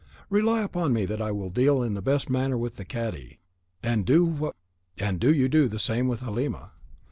Rely upon me that I will deal in the best manner with the cadi, and do you do the same with Halima.